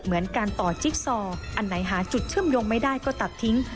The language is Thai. เหมือนการต่อจิ๊กซออันไหนหาจุดเชื่อมโยงไม่ได้ก็ตัดทิ้ง